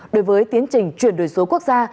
đối với tiến trình chuyển đổi số quốc gia